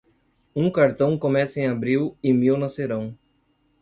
Um cartão começa em abril e mil nascerão.